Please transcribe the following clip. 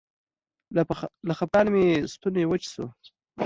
له خپګانه مې ستونی وچ شو.